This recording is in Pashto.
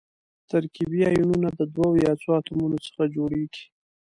ترکیبي ایونونه د دوو یا څو اتومونو څخه جوړیږي.